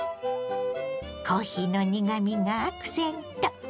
コーヒーの苦みがアクセント。